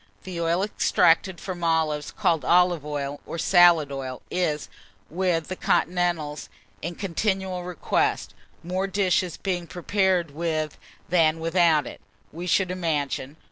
The oil extracted from olives, called olive oil, or salad oil, is, with the continentals, in continual request, more dishes being prepared with than without it, we should imagine.